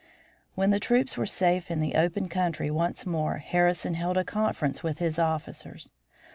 When the troops were safe in the open country once more, Harrison held a conference with his officers.